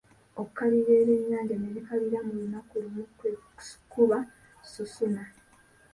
Okukalirira ebyennyanja ne bikalira mu lunaku lumu kwe kukuba susuna.